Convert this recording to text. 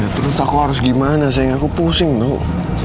terus aku harus gimana sayang aku pusing tuh